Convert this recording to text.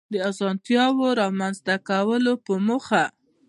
د آسانتیاوو رامنځته کولو په موخه